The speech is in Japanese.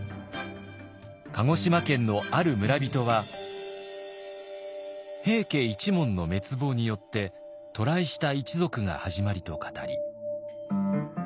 鹿児島県のある村人は平家一門の滅亡によって渡来した一族が始まりと語り。